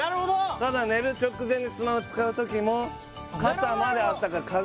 ただ寝る直前にスマホ使う時も肩まであったかい風邪